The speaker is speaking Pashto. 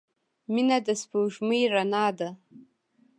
• مینه د سپوږمۍ رڼا ده.